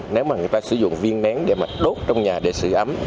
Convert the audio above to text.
nếu người ta sử dụng viên nén để đốt trong nhà để sử ấm